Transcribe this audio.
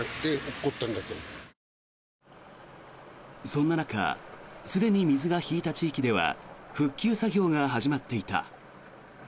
そんな中すでに水が引いた地域では復旧作業が始まっていた。